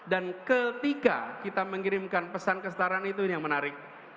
dan ketika kita mengirimkan pesan kesetaraan itu yang menarik